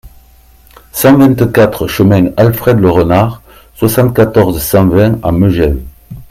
cent vingt-quatre chemin Alfred Le Renard, soixante-quatorze, cent vingt à Megève